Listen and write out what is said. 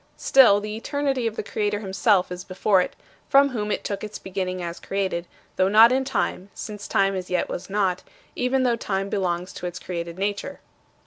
Still, the eternity of the Creator himself is before it, from whom it took its beginning as created, though not in time (since time as yet was not), even though time belongs to its created nature.